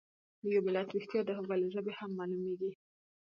د یو ملت ويښتیا د هغوی له ژبې هم مالومیږي.